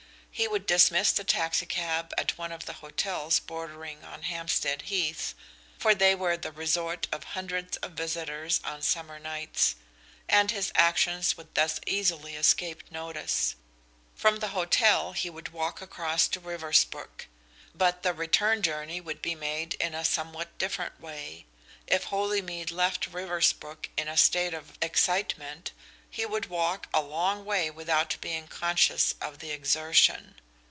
He would dismiss the taxi cab at one of the hotels bordering on Hampstead Heath, for they were the resort of hundreds of visitors on summer nights, and his actions would thus easily escape notice. From the hotel he would walk across to Riversbrook. But the return journey would be made in a somewhat different way. If Holymead left Riversbrook in a state of excitement he would walk a long way without being conscious of the exertion.